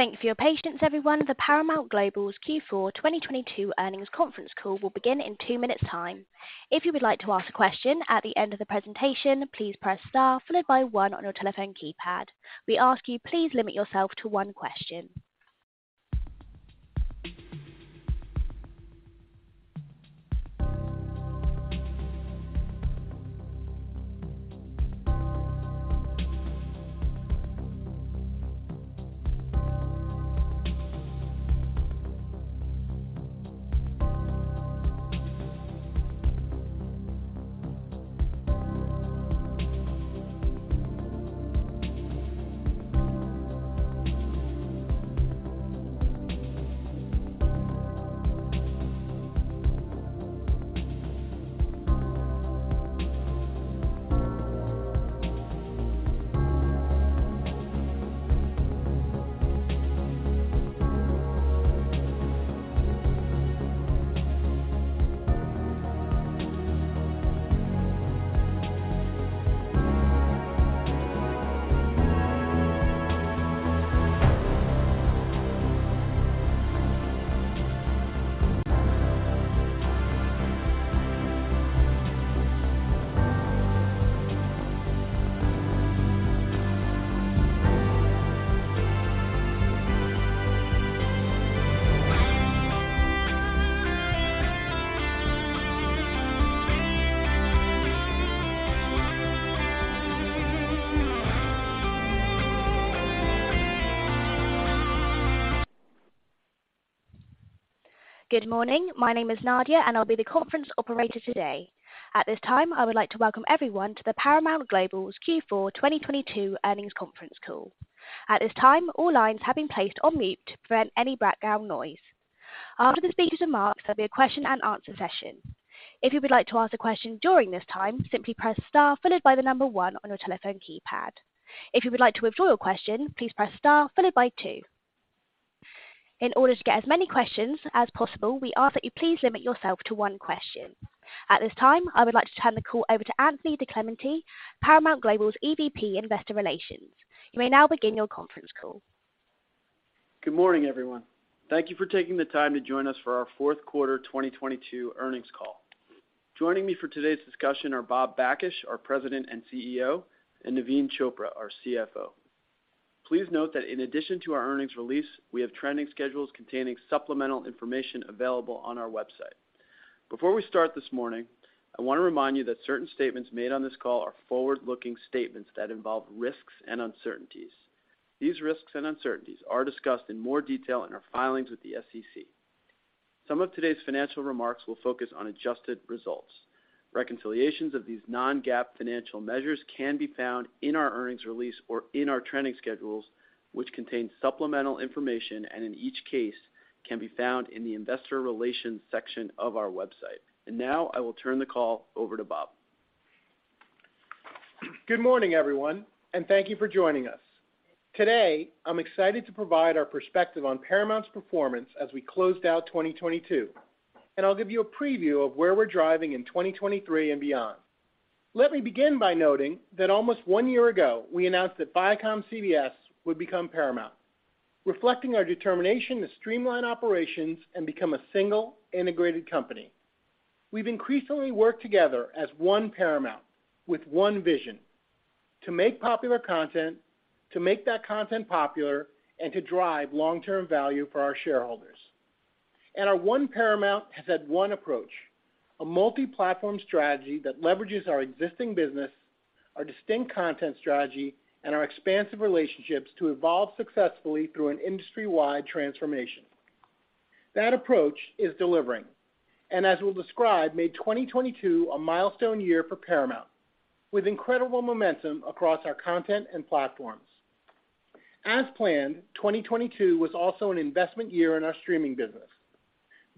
Thank you for your patience, everyone. The Paramount Global's Q4 2022 earnings conference call will begin in 2 minutes' time. If you would like to ask a question at the end of the presentation, please press star followed by one on your telephone keypad. We ask you, please limit yourself to one question. Good morning. My name is Nadia, and I'll be the conference operator today. At this time, I would like to welcome everyone to the Paramount Global's Q4 2022 earnings conference call. At this time, all lines have been placed on mute to prevent any background noise. After the speakers remarks, there'll be a question and answer session. If you would like to ask a question during this time, simply press star followed by the number one on your telephone keypad. If you would like to withdraw your question, please press star followed by two. In order to get as many questions as possible, we ask that you please limit yourself to one question. At this time, I would like to turn the call over to Anthony DiClemente, Paramount Global's EVP, Investor Relations. You may now begin your conference call. Good morning, everyone. Thank you for taking the time to join us for our fourth quarter 2022 earnings call. Joining me for today's discussion are Bob Bakish, our President and CEO, and Naveen Chopra, our CFO. Please note that in addition to our earnings release, we have trending schedules containing supplemental information available on our website. Before we start this morning, I want to remind you that certain statements made on this call are forward-looking statements that involve risks and uncertainties. These risks and uncertainties are discussed in more detail in our filings with the SEC. Some of today's financial remarks will focus on adjusted results. Reconciliations of these non-GAAP financial measures can be found in our earnings release or in our trending schedules, which contain supplemental information, and in each case, can be found in the Investor Relations section of our website. Now I will turn the call over to Bob. Good morning, everyone, and thank you for joining us. Today, I'm excited to provide our perspective on Paramount's performance as we closed out 2022, and I'll give you a preview of where we're driving in 2023 and beyond. Let me begin by noting that almost one year ago, we announced that ViacomCBS would become Paramount, reflecting our determination to streamline operations and become a single integrated company. We've increasingly worked together as One Paramount with one vision: to make popular content, to make that content popular, and to drive long-term value for our shareholders. Our One Paramount has had one approach, a multi-platform strategy that leverages our existing business, our distinct content strategy, and our expansive relationships to evolve successfully through an industry-wide transformation. That approach is delivering, and as we'll describe, made 2022 a milestone year for Paramount with incredible momentum across our content and platforms. As planned, 2022 was also an investment year in our streaming business.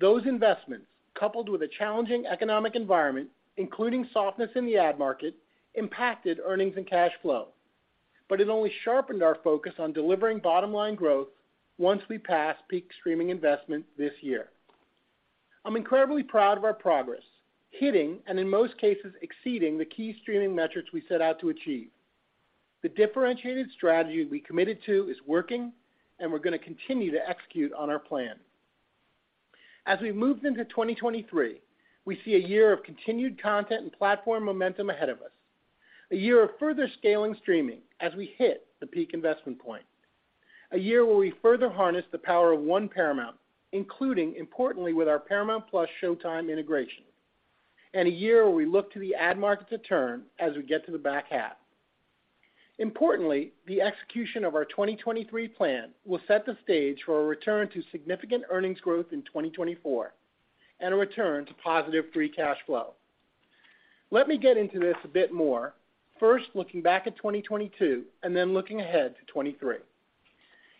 Those investments, coupled with a challenging economic environment, including softness in the ad market, impacted earnings and cash flow. It only sharpened our focus on delivering bottom-line growth once we pass peak streaming investment this year. I'm incredibly proud of our progress, hitting, and in most cases, exceeding the key streaming metrics we set out to achieve. The differentiated strategy we committed to is working, and we're gonna continue to execute on our plan. As we've moved into 2023, we see a year of continued content and platform momentum ahead of us. A year of further scaling streaming as we hit the peak investment point. A year where we further harness the power of One Paramount, including importantly with our Paramount Plus Showtime integration. A year where we look to the ad market to turn as we get to the back half. Importantly, the execution of our 2023 plan will set the stage for a return to significant earnings growth in 2024 and a return to positive free cash flow. Let me get into this a bit more, first, looking back at 2022 and then looking ahead to 2023.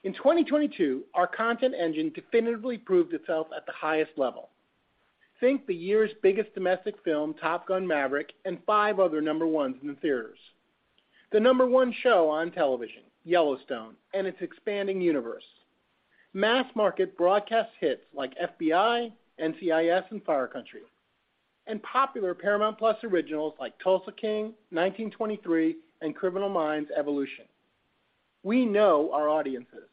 In 2022, our content engine definitively proved itself at the highest level. Think the year's biggest domestic film, Top Gun: Maverick, and five other number ones in the theaters. The number one show on television, Yellowstone, and its expanding universe. Mass market broadcast hits like FBI, NCIS, and Fire Country. And popular Paramount+ originals like Tulsa King, 1923, and Criminal Minds: Evolution. We know our audiences,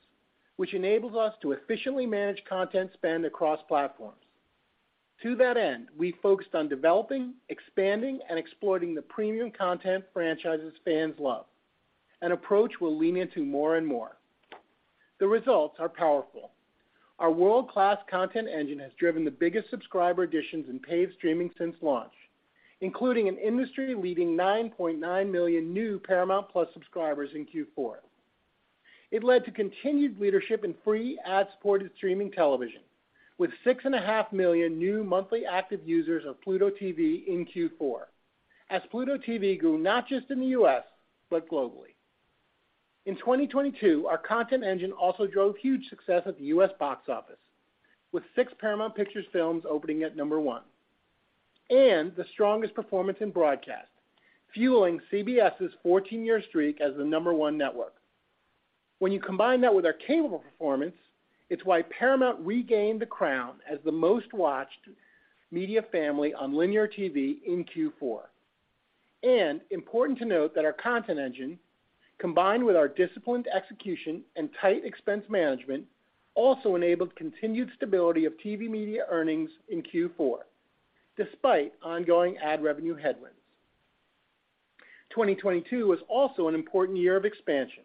which enables us to efficiently manage content spend across platforms. To that end, we focused on developing, expanding, and exploiting the premium content franchises fans love, an approach we'll lean into more and more. The results are powerful. Our world-class content engine has driven the biggest subscriber additions in paid streaming since launch, including an industry-leading 9.9 million new Paramount+ subscribers in Q4. It led to continued leadership in free ad-supported streaming television with 6.5 million new monthly active users of Pluto TV in Q4, as Pluto TV grew, not just in the U.S., but globally. In 2022, our content engine also drove huge success at the U.S. box office, with 6 Paramount Pictures films opening at number one. The strongest performance in broadcast, fueling CBS's 14-year streak as the number one network. When you combine that with our cable performance, it's why Paramount regained the crown as the most-watched media family on linear TV in Q4. Important to note that our content engine, combined with our disciplined execution and tight expense management, also enabled continued stability of TV media earnings in Q4, despite ongoing ad revenue headwinds. 2022 was also an important year of expansion,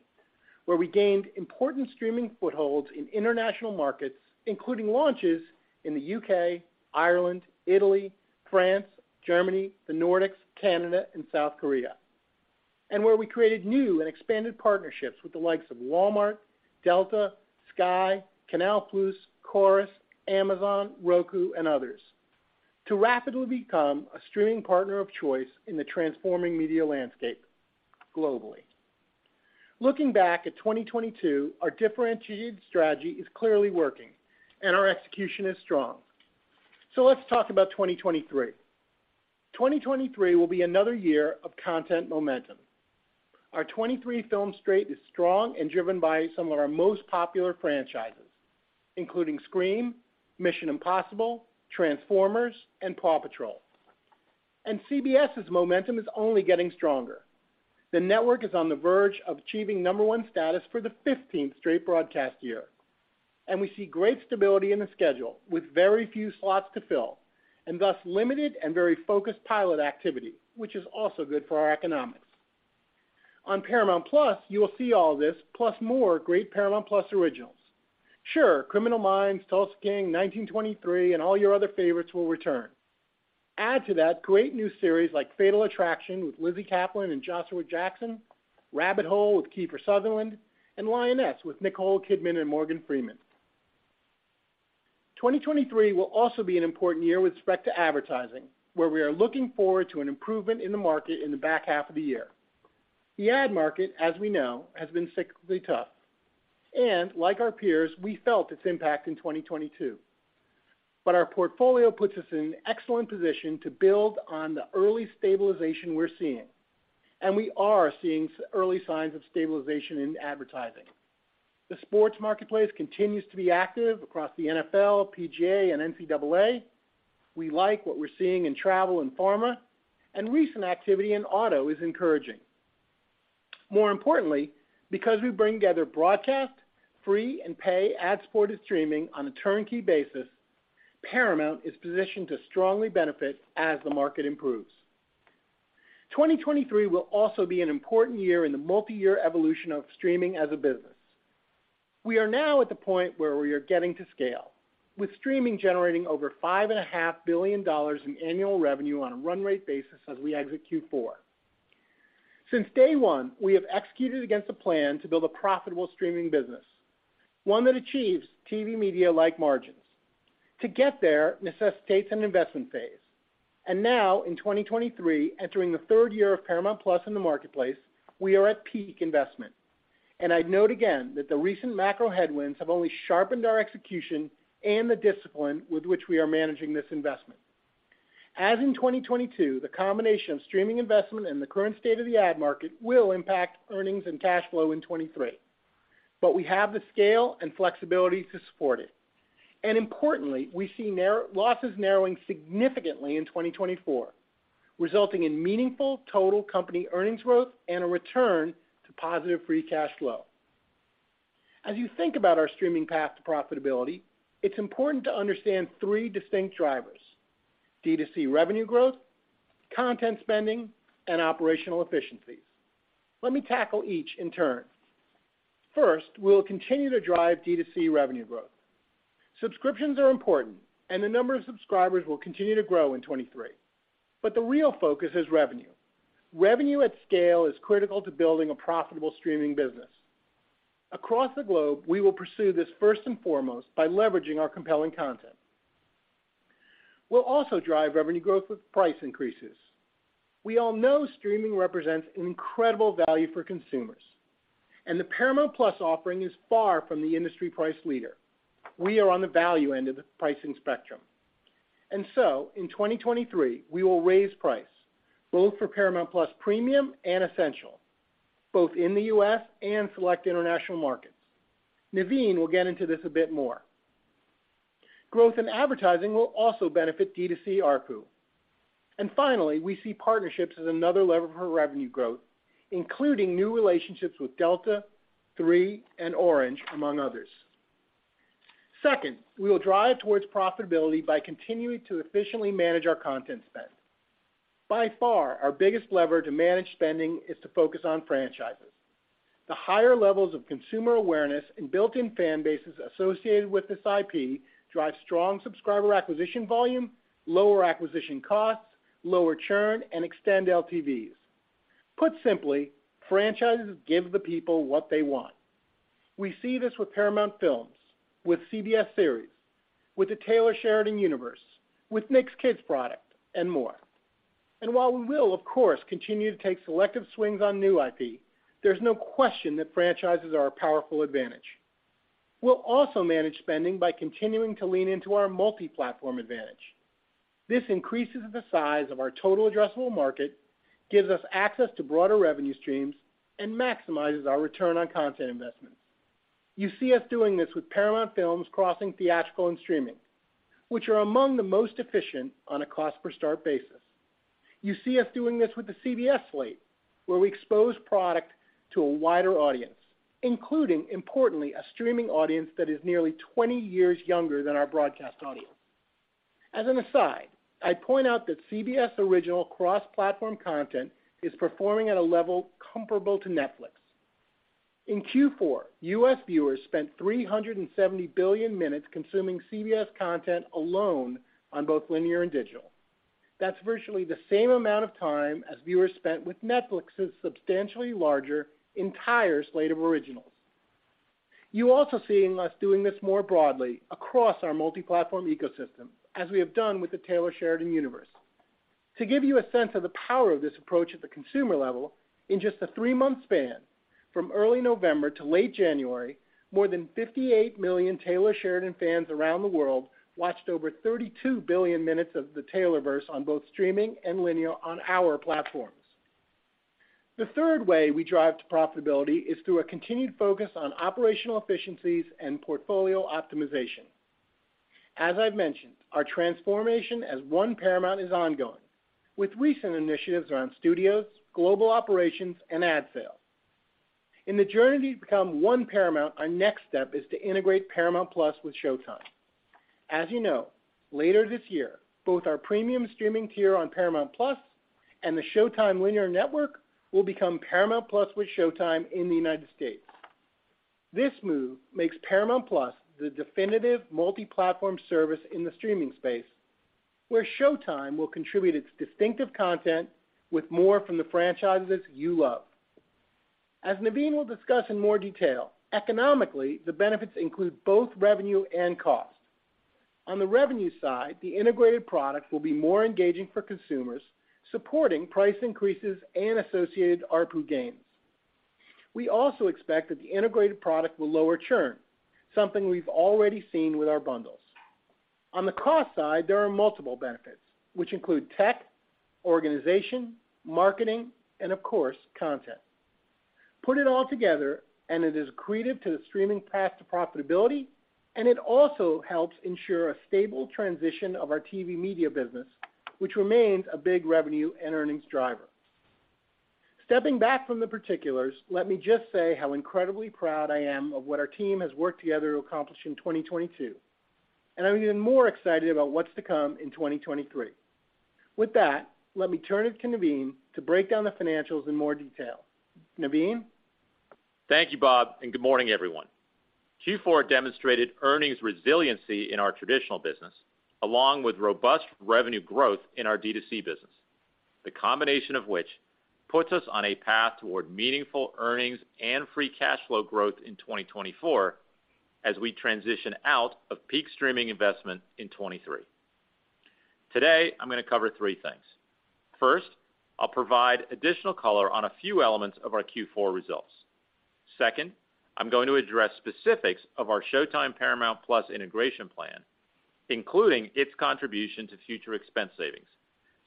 where we gained important streaming footholds in international markets, including launches in the U.K., Ireland, Italy, France, Germany, the Nordics, Canada, and South Korea. Where we created new and expanded partnerships with the likes of Walmart, Delta, Sky, Canal+, Corus, Amazon, Roku, and others to rapidly become a streaming partner of choice in the transforming media landscape globally. Looking back at 2022, our differentiated strategy is clearly working, and our execution is strong. Let's talk about 2023. 2023 will be another year of content momentum. Our 2023 film slate is strong and driven by some of our most popular franchises, including Scream, Mission: Impossible, Transformers, and PAW Patrol. CBS's momentum is only getting stronger. The network is on the verge of achieving number one status for the 15th straight broadcast year, and we see great stability in the schedule with very few slots to fill and thus limited and very focused pilot activity, which is also good for our economics. On Paramount+, you will see all this plus more great Paramount+ originals. Sure, Criminal Minds, Tulsa King, 1923, and all your other favorites will return. Add to that great new series like Fatal Attraction with Lizzy Caplan and Joshua Jackson, Rabbit Hole with Kiefer Sutherland, and Lioness with Nicole Kidman and Morgan Freeman. 2023 will also be an important year with respect to advertising, where we are looking forward to an improvement in the market in the back half of the year. The ad market, as we know, has been cyclically tough, and like our peers, we felt its impact in 2022. Our portfolio puts us in an excellent position to build on the early stabilization we're seeing, and we are seeing early signs of stabilization in advertising. The sports marketplace continues to be active across the NFL, PGA, and NCAA. We like what we're seeing in travel and pharma, and recent activity in auto is encouraging. More importantly, because we bring together broadcast, free, and pay ad-supported streaming on a turnkey basis, Paramount is positioned to strongly benefit as the market improves. 2023 will also be an important year in the multi-year evolution of streaming as a business. We are now at the point where we are getting to scale, with streaming generating over $5.5 billion in annual revenue on a run rate basis as we exit Q4. Since day one, we have executed against a plan to build a profitable streaming business, one that achieves TV media-like margins. To get there necessitates an investment phase. Now in 2023, entering the third year of Paramount+ in the marketplace, we are at peak investment. I'd note again that the recent macro headwinds have only sharpened our execution and the discipline with which we are managing this investment. As in 2022, the combination of streaming investment and the current state of the ad market will impact earnings and cash flow in 2023. We have the scale and flexibility to support it. Importantly, we see losses narrowing significantly in 2024, resulting in meaningful total company earnings growth and a return to positive free cash flow. As you think about our streaming path to profitability, it's important to understand three distinct drivers. D2C revenue growth, content spending, and operational efficiencies. Let me tackle each in turn. First, we'll continue to drive D2C revenue growth. Subscriptions are important and the number of subscribers will continue to grow in 2023. The real focus is revenue. Revenue at scale is critical to building a profitable streaming business. Across the globe, we will pursue this first and foremost by leveraging our compelling content. We'll also drive revenue growth with price increases. We all know streaming represents an incredible value for consumers, and the Paramount+ offering is far from the industry price leader. We are on the value end of the pricing spectrum. In 2023, we will raise price, both for Paramount+ Premium and Essential, both in the U.S. and select international markets. Naveen will get into this a bit more. Growth in advertising will also benefit D2C ARPU. Finally, we see partnerships as another lever for revenue growth, including new relationships with Delta, Three, and Orange, among others. Second, we will drive towards profitability by continuing to efficiently manage our content spend. By far, our biggest lever to manage spending is to focus on franchises. The higher levels of consumer awareness and built-in fan bases associated with this IP drive strong subscriber acquisition volume, lower acquisition costs, lower churn, and extend LTVs. Put simply, franchises give the people what they want. We see this with Paramount films, with CBS series, with the Taylor Sheridan universe, with Nick's Kids product, and more. While we will, of course, continue to take selective swings on new IP, there's no question that franchises are a powerful advantage. We'll also manage spending by continuing to lean into our multi-platform advantage. This increases the size of our total addressable market, gives us access to broader revenue streams, and maximizes our return on content investments. You see us doing this with Paramount films crossing theatrical and streaming, which are among the most efficient on a cost per start basis. You see us doing this with the CBS slate, where we expose product to a wider audience, including, importantly, a streaming audience that is nearly 20 years younger than our broadcast audience. As an aside, I point out that CBS original cross-platform content is performing at a level comparable to Netflix. In Q4, U.S. viewers spent 370 billion minutes consuming CBS content alone on both linear and digital. That's virtually the same amount of time as viewers spent with Netflix's substantially larger entire slate of originals. You're also seeing us doing this more broadly across our multi-platform ecosystem, as we have done with the Taylor Sheridan universe. To give you a sense of the power of this approach at the consumer level, in just a three-month span, from early November to late January, more than 58 million Taylor Sheridan fans around the world watched over 32 billion minutes of the Taylorverse on both streaming and linear on our platforms. The third way we drive to profitability is through a continued focus on operational efficiencies and portfolio optimization. As I've mentioned, our transformation as One Paramount is ongoing, with recent initiatives around studios, global operations, and ad sales. In the journey to become One Paramount, our next step is to integrate Paramount+ with Showtime. As you know, later this year, both our premium streaming tier on Paramount+ and the Showtime linear network will become Paramount+ with Showtime in the United States. This move makes Paramount+ the definitive multi-platform service in the streaming space, where Showtime will contribute its distinctive content with more from the franchises you love. As Naveen will discuss in more detail, economically, the benefits include both revenue and cost. On the revenue side, the integrated product will be more engaging for consumers, supporting price increases and associated ARPU gains. We also expect that the integrated product will lower churn, something we've already seen with our bundles. On the cost side, there are multiple benefits, which include tech, organization, marketing, and of course, content. Put it all together, and it is accretive to the streaming path to profitability, and it also helps ensure a stable transition of our TV media business, which remains a big revenue and earnings driver. Stepping back from the particulars, let me just say how incredibly proud I am of what our team has worked together to accomplish in 2022, and I'm even more excited about what's to come in 2023. With that, let me turn it to Naveen to break down the financials in more detail. Naveen? Thank you, Bob. Good morning, everyone. Q4 demonstrated earnings resiliency in our traditional business, along with robust revenue growth in our D2C business. The combination of which puts us on a path toward meaningful earnings and free cash flow growth in 2024 as we transition out of peak streaming investment in 2023. Today, I'm going to cover three things. 1st, I'll provide additional color on a few elements of our Q4 results. 2nd, I'm going to address specifics of our Showtime Paramount+ integration plan, including its contribution to future expense savings,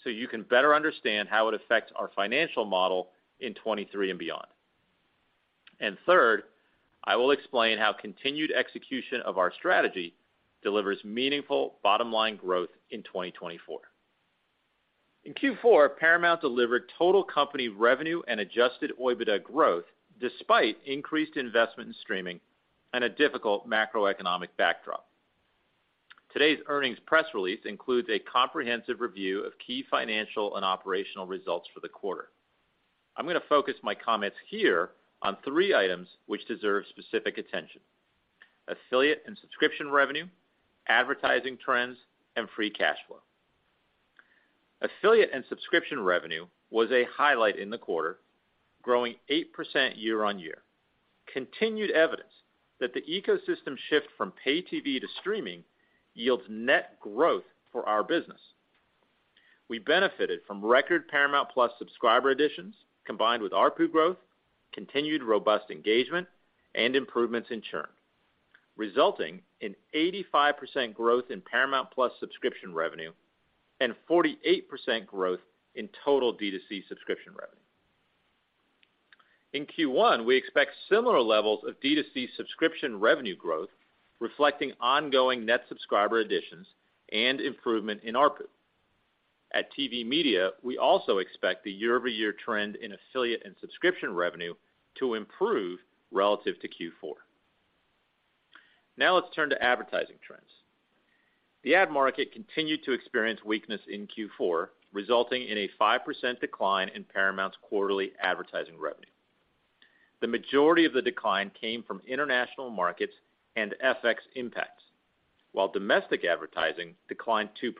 so you can better understand how it affects our financial model in 2023 and beyond. 3rd, I will explain how continued execution of our strategy delivers meaningful bottom-line growth in 2024. In Q4, Paramount delivered total company revenue and Adjusted OIBDA growth despite increased investment in streaming and a difficult macroeconomic backdrop. Today's earnings press release includes a comprehensive review of key financial and operational results for the quarter. I'm gonna focus my comments here on three items which deserve specific attention. Affiliate and subscription revenue, advertising trends, and free cash flow. Affiliate and subscription revenue was a highlight in the quarter, growing 8% year-over-year. Continued evidence that the ecosystem shift from pay TV to streaming yields net growth for our business. We benefited from record Paramount+ subscriber additions, combined with ARPU growth, continued robust engagement, and improvements in churn, resulting in 85% growth in Paramount+ subscription revenue and 48% growth in total D2C subscription revenue. In Q1, we expect similar levels of D2C subscription revenue growth, reflecting ongoing net subscriber additions and improvement in ARPU. At TV Media, we also expect the year-over-year trend in affiliate and subscription revenue to improve relative to Q4. Let's turn to advertising trends. The ad market continued to experience weakness in Q4, resulting in a 5% decline in Paramount's quarterly advertising revenue. The majority of the decline came from international markets and FX impacts, while domestic advertising declined 2%.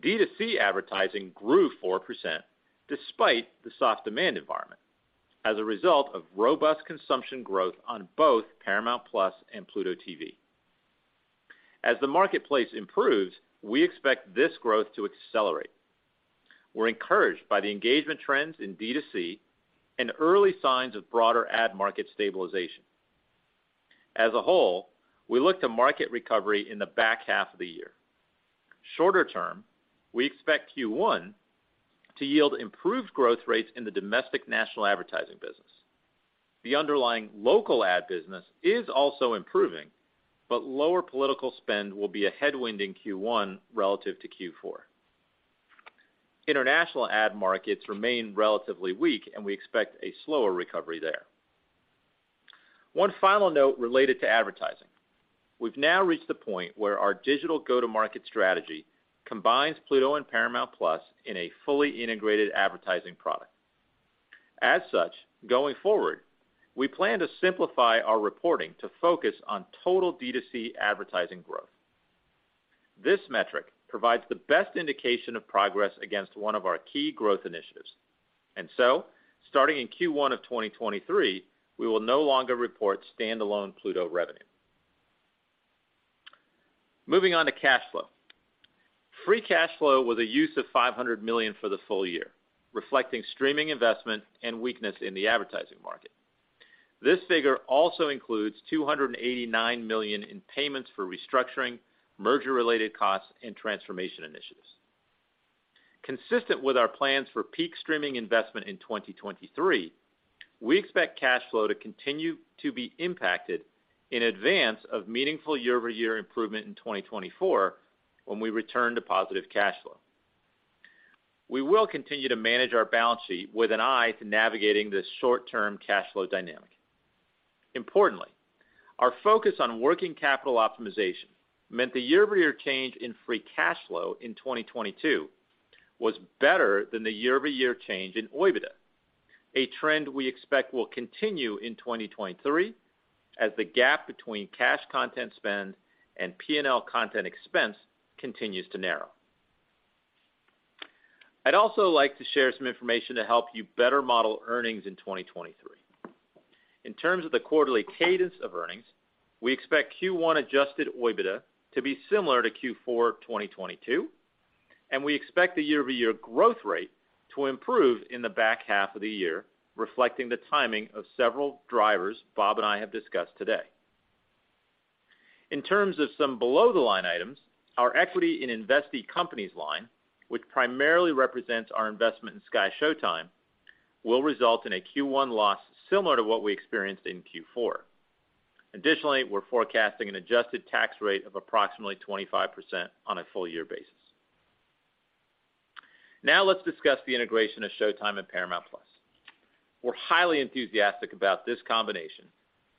D2C advertising grew 4% despite the soft demand environment as a result of robust consumption growth on both Paramount+ and Pluto TV. As the marketplace improves, we expect this growth to accelerate. We're encouraged by the engagement trends in D2C and early signs of broader ad market stabilization. As a whole, we look to market recovery in the back half of the year. Shorter term, we expect Q1 to yield improved growth rates in the domestic national advertising business. The underlying local ad business is also improving, lower political spend will be a headwind in Q1 relative to Q4. International ad markets remain relatively weak. We expect a slower recovery there. One final note related to advertising. We've now reached the point where our digital go-to-market strategy combines Pluto and Paramount+ in a fully integrated advertising product. As such, going forward, we plan to simplify our reporting to focus on total D2C advertising growth. This metric provides the best indication of progress against one of our key growth initiatives. Starting in Q1 of 2023, we will no longer report standalone Pluto revenue. Moving on to cash flow. Free cash flow with a use of $500 million for the full year, reflecting streaming investment and weakness in the advertising market. This figure also includes $289 million in payments for restructuring, merger-related costs, and transformation initiatives. Consistent with our plans for peak streaming investment in 2023, we expect cash flow to continue to be impacted in advance of meaningful year-over-year improvement in 2024 when we return to positive cash flow. We will continue to manage our balance sheet with an eye to navigating this short-term cash flow dynamic. Importantly, our focus on working capital optimization meant the year-over-year change in free cash flow in 2022 was better than the year-over-year change in OIBDA, a trend we expect will continue in 2023 as the gap between cash content spend and P&L content expense continues to narrow. I'd also like to share some information to help you better model earnings in 2023. In terms of the quarterly cadence of earnings, we expect Q1 Adjusted OIBDA to be similar to Q4 of 2022. We expect the year-over-year growth rate to improve in the back half of the year, reflecting the timing of several drivers Bob and I have discussed today. In terms of some below-the-line items, our equity in investee companies line, which primarily represents our investment in SkyShowtime, will result in a Q1 loss similar to what we experienced in Q4. Additionally, we're forecasting an adjusted tax rate of approximately 25% on a full-year basis. Let's discuss the integration of Showtime and Paramount+. We're highly enthusiastic about this combination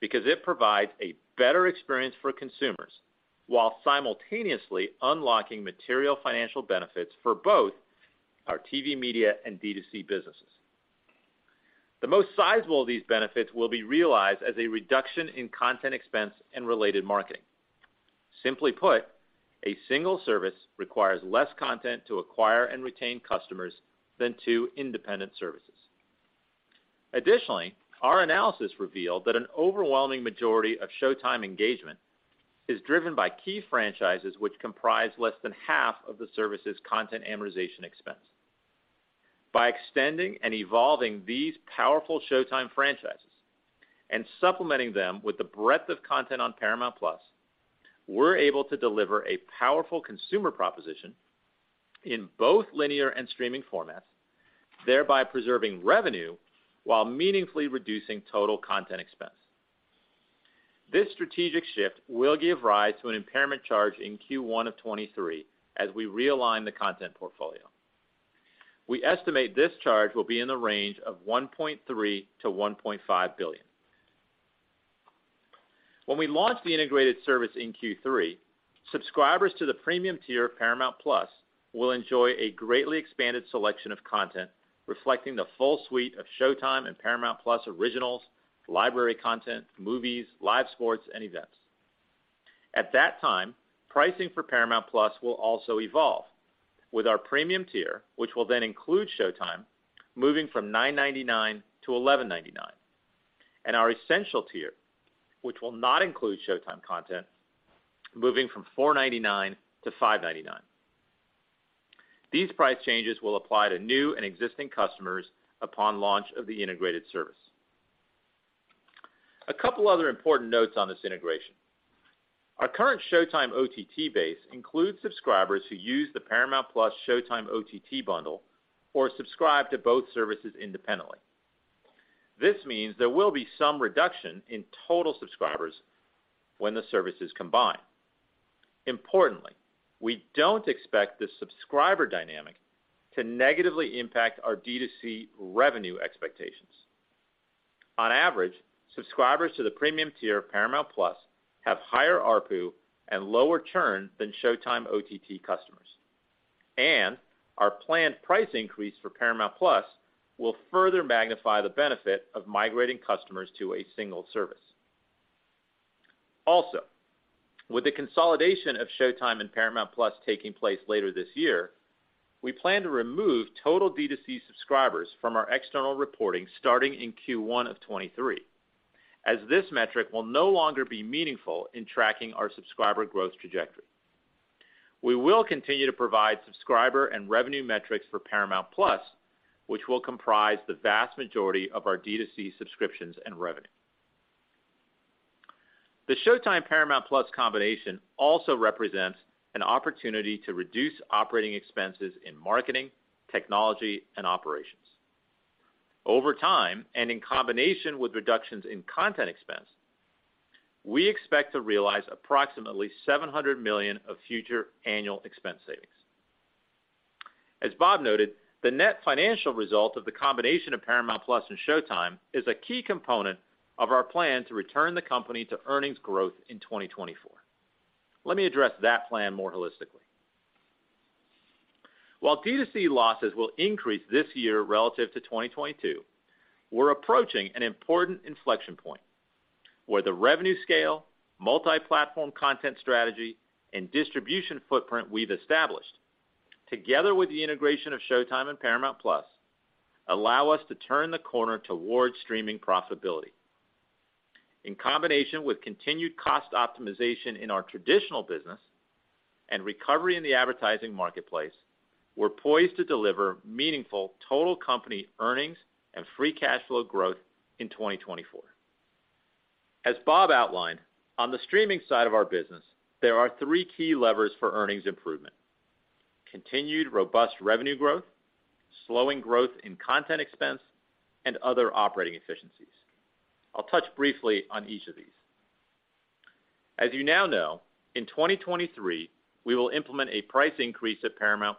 because it provides a better experience for consumers while simultaneously unlocking material financial benefits for both our TV media and D2C businesses. The most sizable of these benefits will be realized as a reduction in content expense and related marketing. Simply put, a single service requires less content to acquire and retain customers than two independent services. Additionally, our analysis revealed that an overwhelming majority of Showtime engagement is driven by key franchises which comprise less than half of the service's content amortization expense. By extending and evolving these powerful Showtime franchises and supplementing them with the breadth of content on Paramount+, we're able to deliver a powerful consumer proposition in both linear and streaming formats, thereby preserving revenue while meaningfully reducing total content expense. This strategic shift will give rise to an impairment charge in Q1 of 2023 as we realign the content portfolio. We estimate this charge will be in the range of $1.3 billion-$1.5 billion. When we launch the integrated service in Q3, subscribers to the premium tier of Paramount+ will enjoy a greatly expanded selection of content reflecting the full suite of Showtime and Paramount+ originals, library content, movies, live sports, and events. At that time, pricing for Paramount+ will also evolve with our premium tier, which will then include Showtime, moving from $9.99 to $11.99, and our essential tier, which will not include Showtime content, moving from $4.99 to $5.99. These price changes will apply to new and existing customers upon launch of the integrated service. A couple other important notes on this integration. Our current Showtime OTT base includes subscribers who use the Paramount+ Showtime OTT bundle or subscribe to both services independently. This means there will be some reduction in total subscribers when the service is combined. Importantly, we don't expect this subscriber dynamic to negatively impact our D2C revenue expectations. On average, subscribers to the premium tier of Paramount+ have higher ARPU and lower churn than Showtime OTT customers. Our planned price increase for Paramount+ will further magnify the benefit of migrating customers to a single service. With the consolidation of Showtime and Paramount+ taking place later this year, we plan to remove total D2C subscribers from our external reporting starting in Q1 of 2023, as this metric will no longer be meaningful in tracking our subscriber growth trajectory. We will continue to provide subscriber and revenue metrics for Paramount+, which will comprise the vast majority of our D2C subscriptions and revenue. The Showtime Paramount+ combination also represents an opportunity to reduce operating expenses in marketing, technology, and operations. Over time, in combination with reductions in content expense, we expect to realize approximately $700 million of future annual expense savings. As Bob noted, the net financial result of the combination of Paramount+ and Showtime is a key component of our plan to return the company to earnings growth in 2024. Let me address that plan more holistically. While D2C losses will increase this year relative to 2022, we're approaching an important inflection point where the revenue scale, multi-platform content strategy, and distribution footprint we've established, together with the integration of Showtime and Paramount+, allow us to turn the corner towards streaming profitability. In combination with continued cost optimization in our traditional business and recovery in the advertising marketplace, we're poised to deliver meaningful total company earnings and free cash flow growth in 2024. As Bob outlined, on the streaming side of our business, there are three key levers for earnings improvement. Continued robust revenue growth, slowing growth in content expense, and other operating efficiencies. I'll touch briefly on each of these. As you now know, in 2023, we will implement a price increase at Paramount+,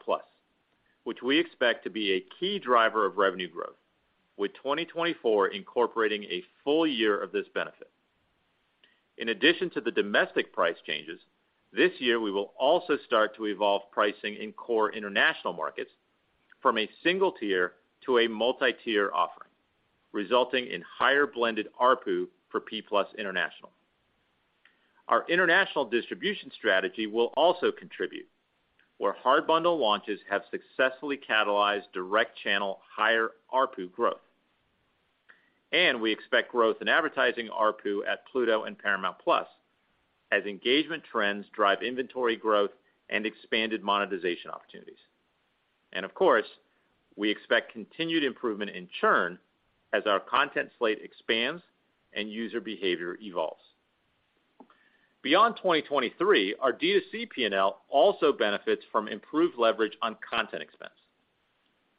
which we expect to be a key driver of revenue growth, with 2024 incorporating a full year of this benefit. In addition to the domestic price changes, this year, we will also start to evolve pricing in core international markets from a single tier to a multi-tier offering, resulting in higher blended ARPU for P+ International. Our international distribution strategy will also contribute, where hard bundle launches have successfully catalyzed direct channel higher ARPU growth. We expect growth in advertising ARPU at Pluto and Paramount+ as engagement trends drive inventory growth and expanded monetization opportunities. Of course, we expect continued improvement in churn as our content slate expands and user behavior evolves. Beyond 2023, our D2C P&L also benefits from improved leverage on content expense.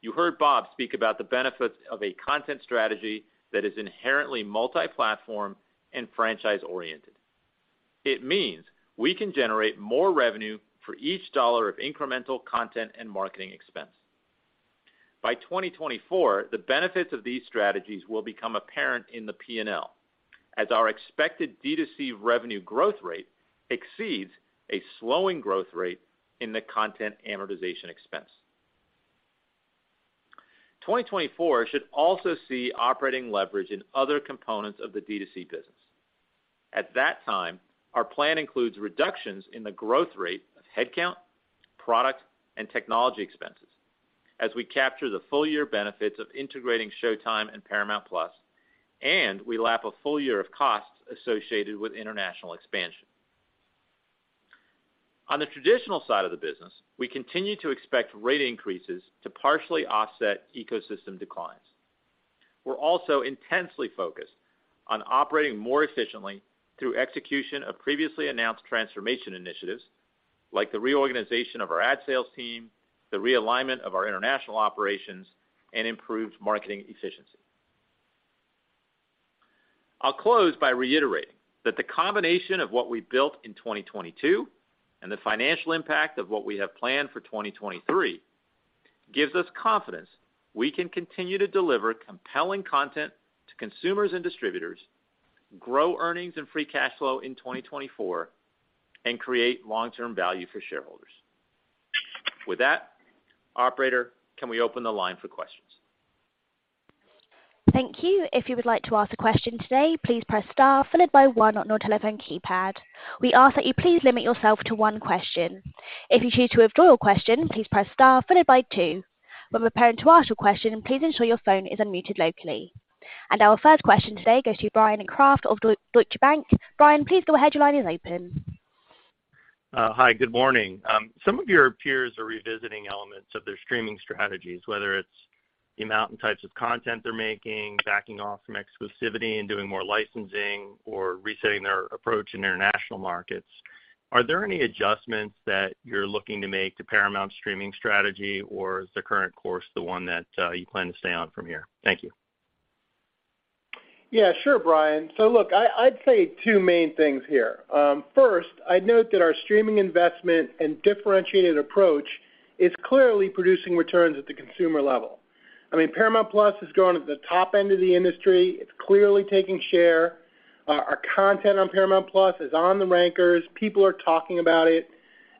You heard Bob speak about the benefits of a content strategy that is inherently multi-platform and franchise-oriented. It means we can generate more revenue for each dollar of incremental content and marketing expense. By 2024, the benefits of these strategies will become apparent in the P&L as our expected D2C revenue growth rate exceeds a slowing growth rate in the content amortization expense. 2024 should also see operating leverage in other components of the D2C business. At that time, our plan includes reductions in the growth rate of headcount, product, and technology expenses as we capture the full year benefits of integrating Showtime and Paramount+, and we lap a full year of costs associated with international expansion. On the traditional side of the business, we continue to expect rate increases to partially offset ecosystem declines. We're also intensely focused on operating more efficiently through execution of previously announced transformation initiatives like the reorganization of our ad sales team, the realignment of our international operations, and improved marketing efficiency. I'll close by reiterating that the combination of what we built in 2022 and the financial impact of what we have planned for 2023 gives us confidence we can continue to deliver compelling content to consumers and distributors, grow earnings and free cash flow in 2024, and create long-term value for shareholders. With that, operator, can we open the line for questions? Thank you. If you would like to ask a question today, please press star followed by one on your telephone keypad. We ask that you please limit yourself to one question. If you choose to withdraw your question, please press star followed by two. When preparing to ask your question, please ensure your phone is unmuted locally. Our first question today goes to Bryan Kraft of Deutsche Bank. Bryan, please go ahead. Your line is open. Hi, good morning. Some of your peers are revisiting elements of their streaming strategies, whether it's the amount and types of content they're making, backing off from exclusivity and doing more licensing or resetting their approach in international markets. Are there any adjustments that you're looking to make to Paramount's streaming strategy, or is the current course the one that you plan to stay on from here? Thank you. Yeah, sure, Brian. Look, I'd say two main things here. First, I'd note that our streaming investment and differentiated approach is clearly producing returns at the consumer level. I mean, Paramount+ is going at the top end of the industry. It's clearly taking share. Our content on Paramount+ is on the rankers. People are talking about it.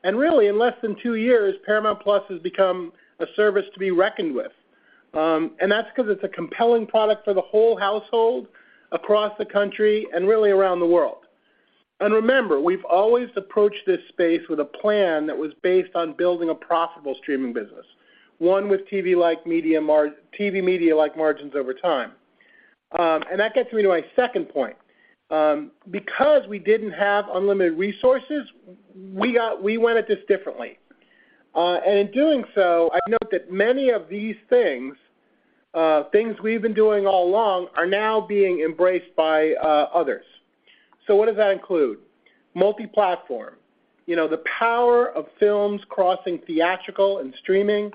Really, in less than two years, Paramount+ has become a service to be reckoned with. That's because it's a compelling product for the whole household across the country and really around the world. Remember, we've always approached this space with a plan that was based on building a profitable streaming business, one with TV media-like margins over time. That gets me to my second point. Because we didn't have unlimited resources, we went at this differently. In doing so, I'd note that many of these things we've been doing all along are now being embraced by others. What does that include? Multi-platform. You know, the power of films crossing theatrical and streaming,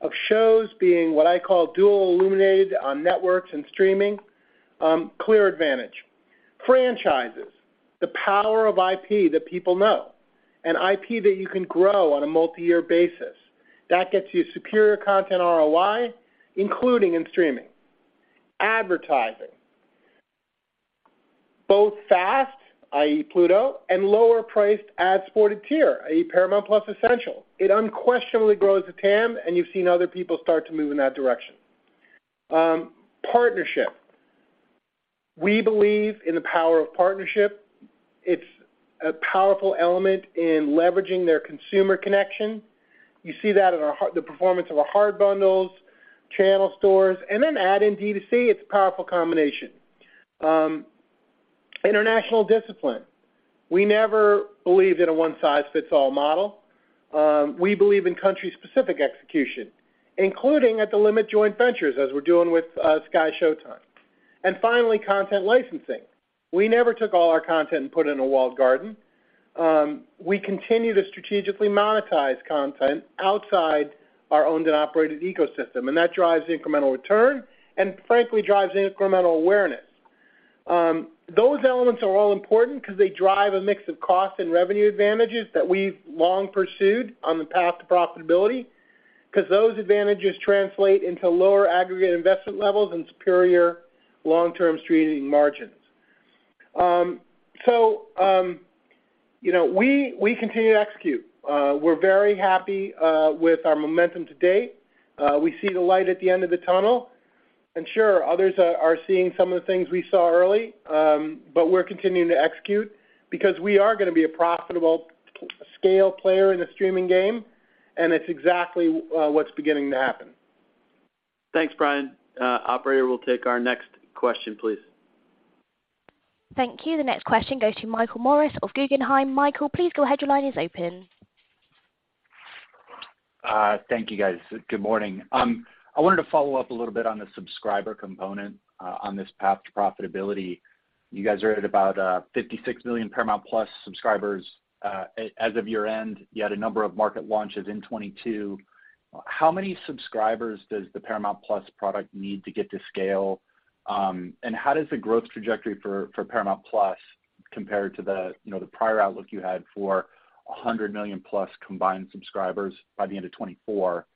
of shows being what I call dual illuminated on networks and streaming, clear advantage. Franchises, the power of IP that people know, an IP that you can grow on a multi-year basis. That gets you superior content ROI, including in streaming. Advertising. Both FAST, i.e. Pluto, and lower-priced ad-supported tier, i.e. Paramount+ Essential. It unquestionably grows the TAM, and you've seen other people start to move in that direction. Partnership. We believe in the power of partnership. It's a powerful element in leveraging their consumer connection. You see that in our the performance of our hard bundles, channel stores, and then add in D2C, it's a powerful combination. International discipline. We never believed in a one-size-fits-all model. We believe in country-specific execution, including at the limit joint ventures as we're doing with SkyShowtime. Finally, content licensing. We never took all our content and put it in a walled garden. We continue to strategically monetize content outside our owned and operated ecosystem, and that drives incremental return and frankly, drives incremental awareness. Those elements are all important because they drive a mix of cost and revenue advantages that we've long pursued on the path to profitability because those advantages translate into lower aggregate investment levels and superior long-term streaming margins. You know, we continue to execute. We're very happy with our momentum to date. We see the light at the end of the tunnel. Sure, others are seeing some of the things we saw early, but we're continuing to execute because we are gonna be a profitable scale player in the streaming game, and it's exactly what's beginning to happen. Thanks, Bryan. operator, we'll take our next question, please. Thank you. The next question goes to Michael Morris of Guggenheim. Michael, please go ahead. Your line is open. Thank you, guys. Good morning. I wanted to follow up a little bit on the subscriber component on this path to profitability. You guys are at about 56 million Paramount+ subscribers as of year-end. You had a number of market launches in 2022. How many subscribers does the Paramount+ product need to get to scale? How does the growth trajectory for Paramount+ compare to the, you know, the prior outlook you had for 100 million-plus combined subscribers by the end of 2024?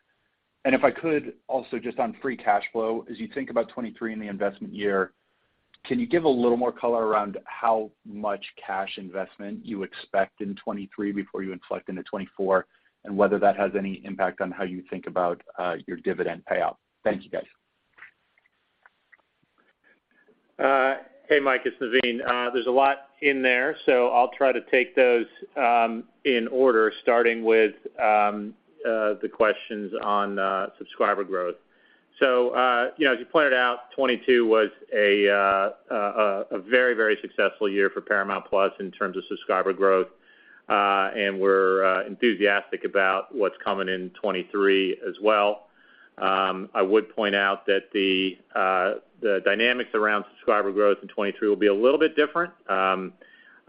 If I could also, just on free cash flow, as you think about 2023 in the investment year, can you give a little more color around how much cash investment you expect in 2023 before you inflect into 2024, and whether that has any impact on how you think about your dividend payout? Thank you, guys. Hey, Mike, it's Naveen. There's a lot in there, so I'll try to take those in order, starting with the questions on subscriber growth. You know, as you pointed out, 22 was a very, very successful year for Paramount+ in terms of subscriber growth. We're enthusiastic about what's coming in 23 as well. I would point out that the dynamics around subscriber growth in 23 will be a little bit different.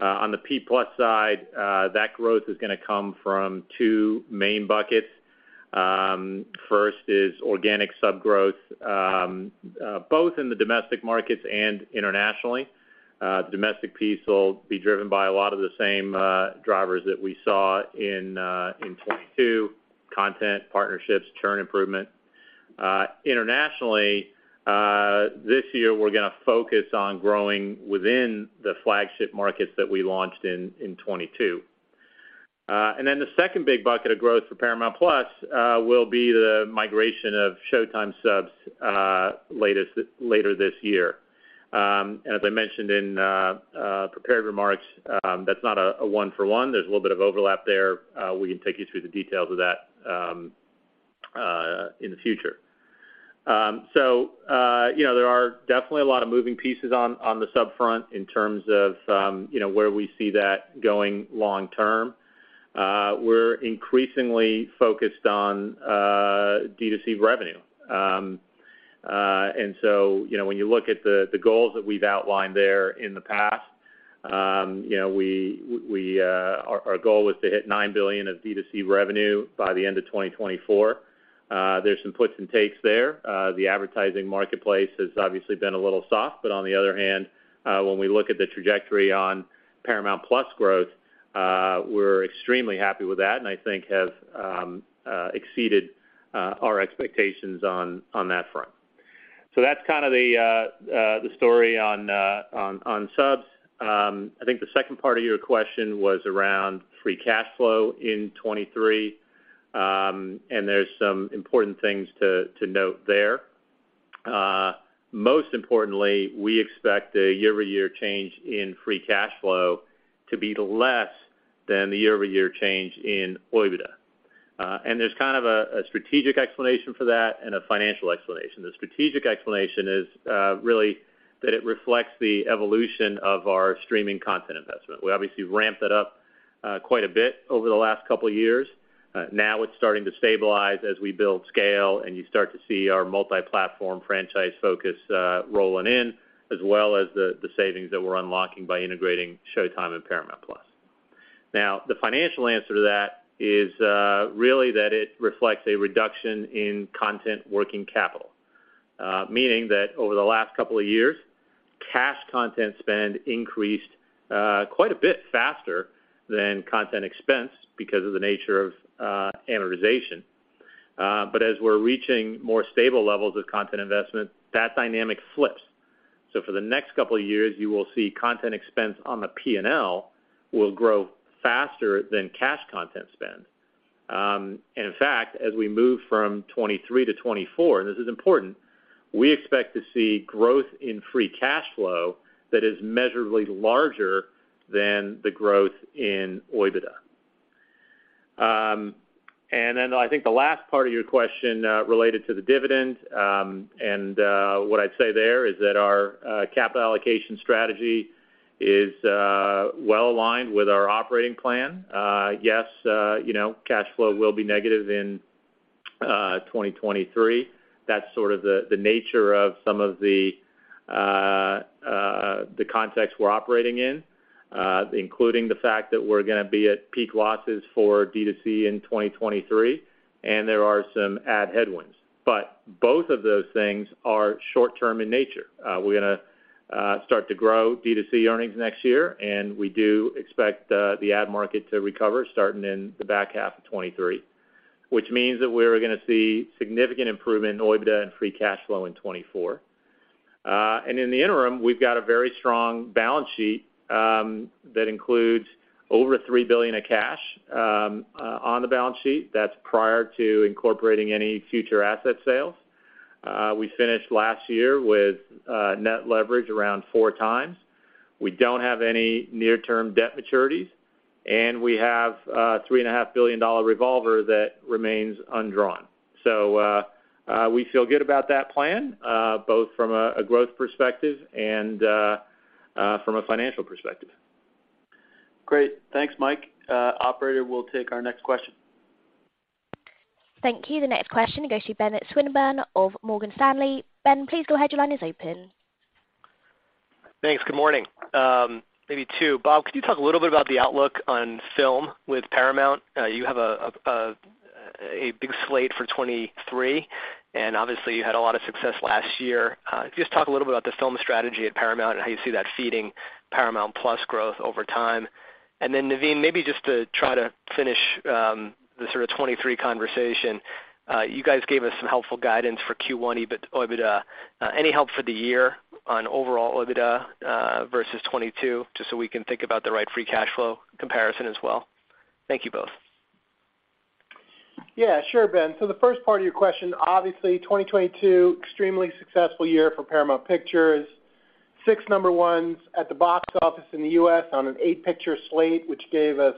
On the P plus side, that growth is gonna come from two main buckets. First is organic sub growth, both in the domestic markets and internationally. Domestic piece will be driven by a lot of the same drivers that we saw in 22: content, partnerships, churn improvement. Internationally, this year we're gonna focus on growing within the flagship markets that we launched in 22. The second big bucket of growth for Paramount+ will be the migration of Showtime subs later this year. As I mentioned in prepared remarks, that's not a one for one. There's a little bit of overlap there. We can take you through the details of that in the future. You know, there are definitely a lot of moving pieces on the sub front in terms of, you know, where we see that going long term. We're increasingly focused on D2C revenue. You know, when you look at the goals that we've outlined there in the past, you know, we, our goal was to hit $9 billion of D2C revenue by the end of 2024. There's some puts and takes there. The advertising marketplace has obviously been a little soft, but on the other hand, when we look at the trajectory on Paramount+ growth, we're extremely happy with that, and I think have exceeded our expectations on that front. That's kind of the story on subs. I think the second part of your question was around free cash flow in 23. There's some important things to note there. Most importantly, we expect a year-over-year change in free cash flow to be less than the year-over-year change in OIBDA. There's kind of a strategic explanation for that and a financial explanation. The strategic explanation is really that it reflects the evolution of our streaming content investment. We obviously ramped that up quite a bit over the last couple years. Now it's starting to stabilize as we build scale, and you start to see our multi-platform franchise focus rolling in, as well as the savings that we're unlocking by integrating Showtime and Paramount+. The financial answer to that is really that it reflects a reduction in content working capital. Meaning that over the last couple of years, cash content spend increased quite a bit faster than content expense because of the nature of amortization. As we're reaching more stable levels of content investment, that dynamic flips. For the next couple of years, you will see content expense on the P&L will grow faster than cash content spend. In fact, as we move from 2023 to 2024, this is important, we expect to see growth in free cash flow that is measurably larger than the growth in OIBDA. I think the last part of your question related to the dividend, what I'd say there is that our capital allocation strategy is well aligned with our operating plan. Yes, you know, cash flow will be negative in 2023. That's sort of the nature of some of the context we're operating in, including the fact that we're gonna be at peak losses for D2C in 2023, and there are some ad headwinds. Both of those things are short-term in nature. We're gonna start to grow D2C earnings next year, and we do expect the ad market to recover starting in the back half of 2023, which means that we're gonna see significant improvement in OIBDA and free cash flow in 2024. In the interim, we've got a very strong balance sheet that includes over $3 billion of cash on the balance sheet. That's prior to incorporating any future asset sales. We finished last year with net leverage around 4 times. We don't have any near-term debt maturities, and we have a three and a half billion dollar revolver that remains undrawn. We feel good about that plan, both from a growth perspective and from a financial perspective. Great. Thanks, Mike. Operator, we'll take our next question. Thank you. The next question goes to Benjamin Swinburne of Morgan Stanley. Ben, please go ahead. Your line is open. Thanks. Good morning. Maybe two. Bob, could you talk a little bit about the outlook on film with Paramount? You have a big slate for 2023, and obviously you had a lot of success last year. If you just talk a little bit about the film strategy at Paramount and how you see that feeding Paramount+ growth over time. Naveen, maybe just to try to finish the sort of 2023 conversation, you guys gave us some helpful guidance for Q1 OIBDA. Any help for the year on overall OIBDA versus 2022, just so we can think about the right free cash flow comparison as well? Thank you both. Yeah. Sure, Ben. The first part of your question, obviously 2022, extremely successful year for Paramount Pictures. 6 number ones at the box office in the U.S. on an eight-picture slate, which gave us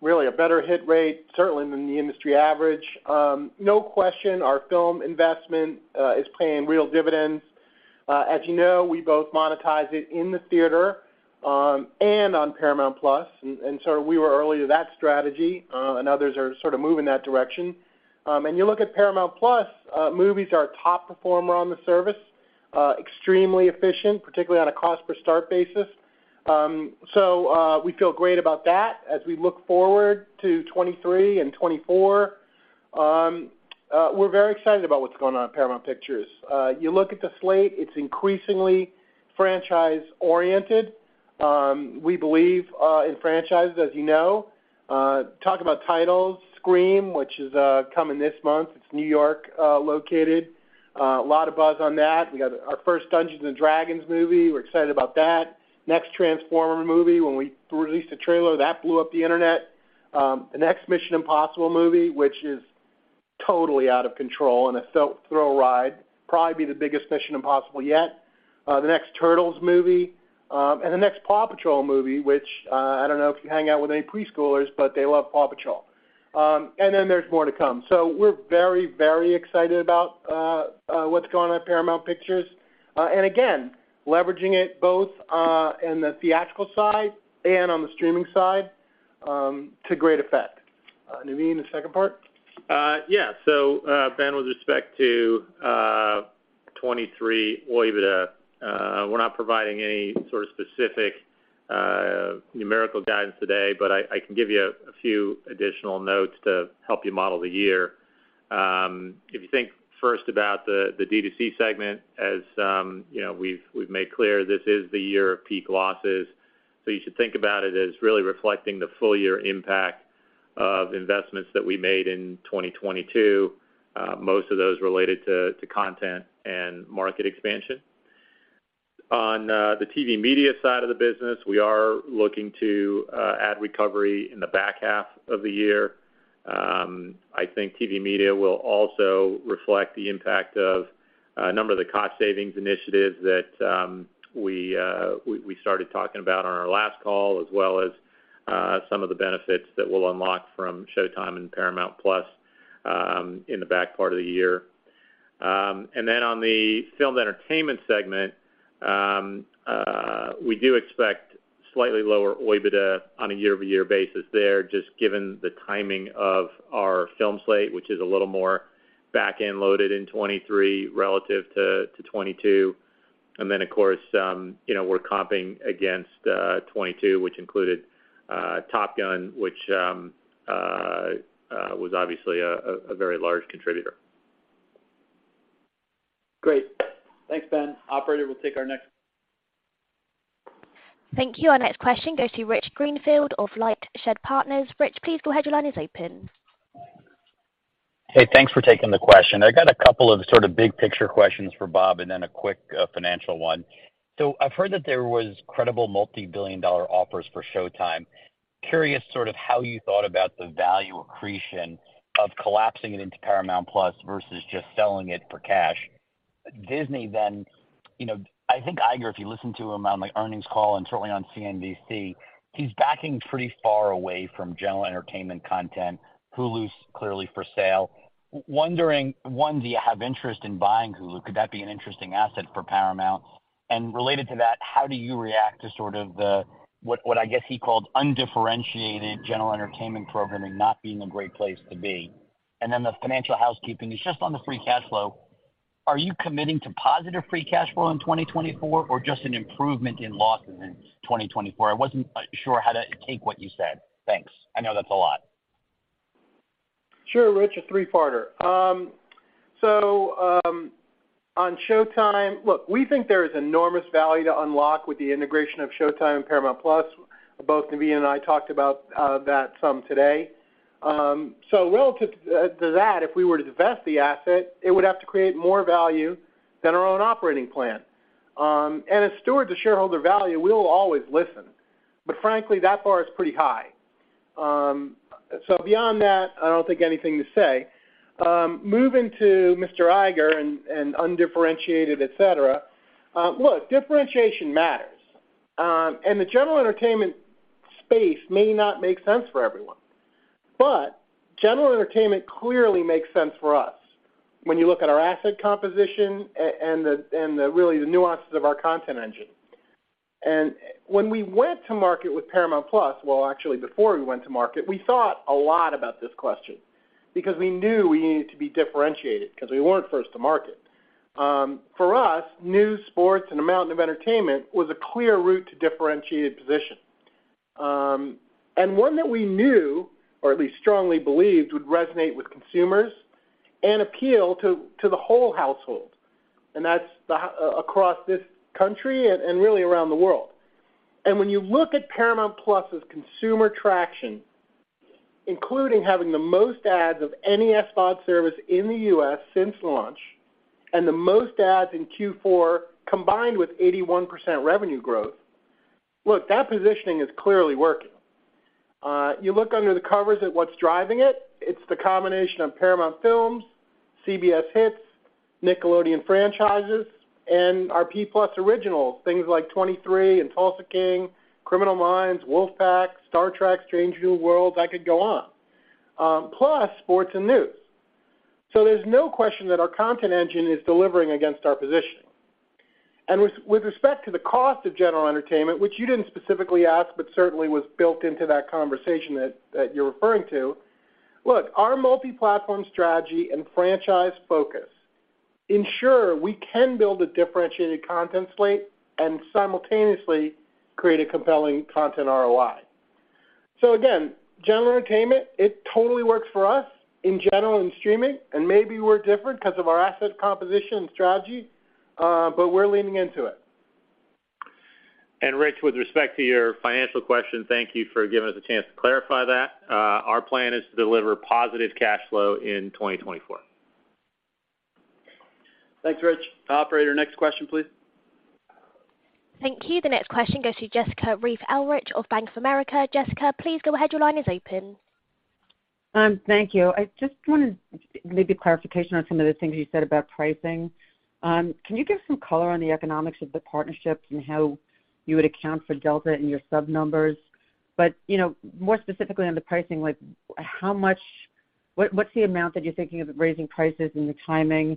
really a better hit rate, certainly than the industry average. No question our film investment is paying real dividends. As you know, we both monetize it in the theater and on Paramount+. We were early to that strategy, and others are sort of moving that direction. You look at Paramount+, movies are our top performer on the service, extremely efficient, particularly on a cost per start basis. We feel great about that. As we look forward to 2023 and 2024, we're very excited about what's going on at Paramount Pictures. You look at the slate, it's increasingly franchise-oriented. We believe in franchises, as you know. Talk about titles, Scream, which is coming this month. It's New York located. A lot of buzz on that. We got our first Dungeons & Dragons movie. We're excited about that. Next Transformer movie, when we released a trailer, that blew up the internet. The next Mission: Impossible movie, which is totally out of control and a thrill ride, probably be the biggest Mission: Impossible yet. The next Turtles movie, and the next Paw Patrol movie, which I don't know if you hang out with any preschoolers, but they love Paw Patrol There's more to come. We're very, very excited about what's going on at Paramount Pictures. Leveraging it both in the theatrical side and on the streaming side to great effect. Naveen, the second part? Yeah. Ben, with respect to 2023 OIBDA, we're not providing any sort of specific numerical guidance today, but I can give you a few additional notes to help you model the year. If you think first about the D2C segment, as you know, we've made clear this is the year of peak losses, so you should think about it as really reflecting the full year impact of investments that we made in 2022, most of those related to content and market expansion. On the TV media side of the business, we are looking to add recovery in the back half of the year. I think TV media will also reflect the impact of a number of the cost savings initiatives that we started talking about on our last call, as well as some of the benefits that we'll unlock from Showtime and Paramount+ in the back part of the year. On the filmed entertainment segment, we do expect slightly lower OIBDA on a year-over-year basis there, just given the timing of our film slate, which is a little more back-end loaded in 2023 relative to 2022. Of course, you know, we're comping against 2022, which included Top Gun, which was obviously a very large contributor. Great. Thanks, Ben. Operator, we'll take our next. Thank you. Our next question goes to Richard Greenfield of LightShed Partners. Rich, please go ahead. Your line is open. Hey, thanks for taking the question. I got a couple of sort of big picture questions for Bob and then a quick financial one. I've heard that there was credible $multi-billion offers for Showtime. Curious sort of how you thought about the value accretion of collapsing it into Paramount+ versus just selling it for cash? Disney, you know, I think Iger, if you listen to him on the earnings call and certainly on CNBC, he's backing pretty far away from general entertainment content. Hulu's clearly for sale. Wondering, one, do you have interest in buying Hulu? Could that be an interesting asset for Paramount? Related to that, how do you react to sort of the, what I guess he called undifferentiated general entertainment programming not being a great place to be? The financial housekeeping is just on the free cash flow. Are you committing to positive free cash flow in 2024 or just an improvement in losses in 2024? I wasn't sure how to take what you said. Thanks. I know that's a lot. Sure, Rich. A three-parter. On Showtime, look, we think there is enormous value to unlock with the integration of Showtime and Paramount+. Both Naveen and I talked about that some today. Relative to that, if we were to divest the asset, it would have to create more value than our own operating plan. As steward to shareholder value, we will always listen. Frankly, that bar is pretty high. Beyond that, I don't think anything to say. Moving to Mr. Iger and undifferentiated, et cetera, look, differentiation matters. The general entertainment space may not make sense for everyone, but general entertainment clearly makes sense for us when you look at our asset composition and really the nuances of our content engine. When we went to market with Paramount+, well, actually before we went to market, we thought a lot about this question because we knew we needed to be differentiated because we weren't first to market. For us, news, sports, and a mountain of entertainment was a clear route to differentiated position. One that we knew or at least strongly believed would resonate with consumers and appeal to the whole household, and that's across this country and really around the world. When you look at Paramount+ as consumer traction, including having the most ads of any SVOD service in the US since launch and the most ads in Q4, combined with 81% revenue growth, look, that positioning is clearly working. You look under the covers at what's driving it's the combination of Paramount films, CBS hits, Nickelodeon franchises, and our P+ originals, things like 23 and Tulsa King, Criminal Minds, Wolf Pack, Star Trek: Strange New Worlds. I could go on. Plus sports and news. There's no question that our content engine is delivering against our positioning. With respect to the cost of general entertainment, which you didn't specifically ask, but certainly was built into that conversation that you're referring to. Look, our multi-platform strategy and franchise focus ensure we can build a differentiated content slate and simultaneously create a compelling content ROI. Again, general entertainment, it totally works for us in general and streaming, and maybe we're different because of our asset composition and strategy, but we're leaning into it. Rich, with respect to your financial question, thank you for giving us a chance to clarify that. Our plan is to deliver positive cash flow in 2024. Thanks, Rich. Operator, next question, please. Thank you. The next question goes to Jessica Reif Ehrlich of Bank of America. Jessica, please go ahead. Your line is open. Thank you. I just wanted maybe clarification on some of the things you said about pricing. Can you give some color on the economics of the partnerships and how you would account for delta in your sub numbers? You know, more specifically on the pricing, like how much-? What's the amount that you're thinking of raising prices and the timing?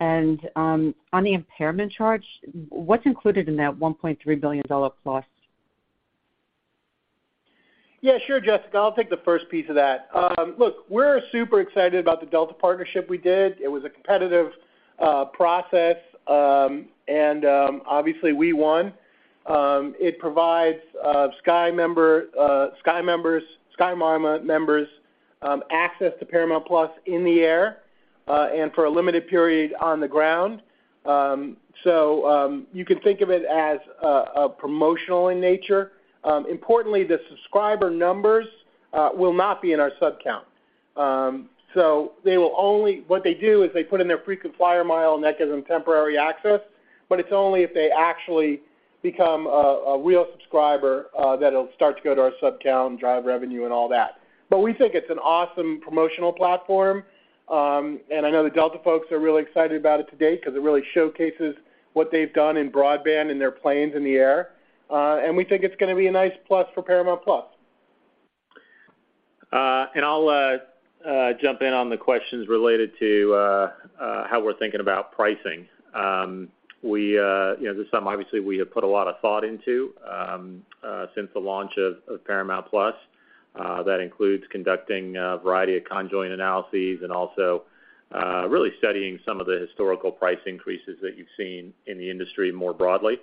On the impairment charge, what's included in that $1.3 billion+? Yeah, sure, Jessica, I'll take the first piece of that. Look, we're super excited about the Delta partnership we did. It was a competitive process, and obviously we won. It provides Sky Mama members access to Paramount+ in the air and for a limited period on the ground. You can think of it as promotional in nature. Importantly, the subscriber numbers will not be in our sub count. What they do is they put in their frequent flyer mile, and that gives them temporary access. It's only if they actually become a real subscriber that it'll start to go to our sub count and drive revenue and all that. We think it's an awesome promotional platform. I know the Delta folks are really excited about it to date because it really showcases what they've done in broadband, in their planes, in the air. We think it's gonna be a nice plus for Paramount+. I'll jump in on the questions related to how we're thinking about pricing. We, you know, this is something obviously we have put a lot of thought into since the launch of Paramount+. That includes conducting a variety of conjoint analyses and also really studying some of the historical price increases that you've seen in the industry more broadly.